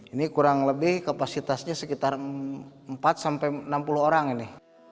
ini kurang lebih kapasitasnya sekitar empat sampai enam puluh orang ini